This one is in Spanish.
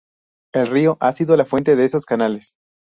El río ha sido la fuente de esos canales.